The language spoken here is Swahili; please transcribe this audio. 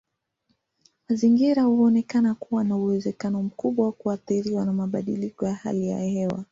Mazingira huonekana kuwa na uwezekano mkubwa wa kuathiriwa na mabadiliko ya hali ya hewa.